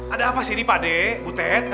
ada apa sih ini pade butet